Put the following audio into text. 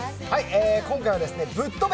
今回は「ぶっとべ！